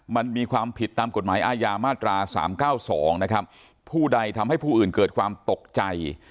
มันมีความผิดตามกฎหมายอาญามาตราสามเก้าสองนะครับผู้ใดทำให้ผู้อื่นเกิดความตกใจ